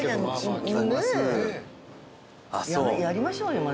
やりましょうよまた。